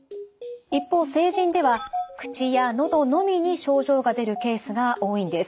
一方成人では口やのどのみに症状が出るケースが多いんです。